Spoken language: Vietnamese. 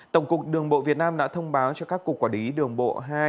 tổng cục đồng bộ việt nam đã thông báo cho các cục quả đí đồng bộ